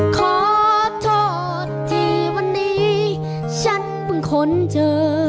ขอโทษที่วันนี้ฉันเพิ่งค้นเจอ